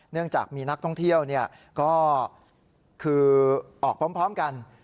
เนื่องจากมีนักท่องเที่ยวก็คือออกพร้อมกัน